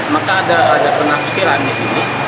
maka ada penafsiran disini